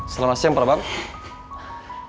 selamat siang pak bapak